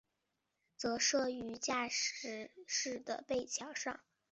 则设于驾驶室的背墙上。